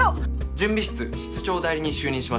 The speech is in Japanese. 準備室室長代理に就任しました。